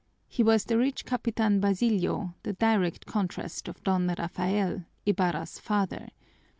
He was the rich Capitan Basilio, the direct contrast of Don Rafael, Ibarra's father.